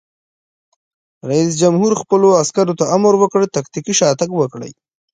رئیس جمهور خپلو عسکرو ته امر وکړ؛ تکتیکي شاتګ وکړئ!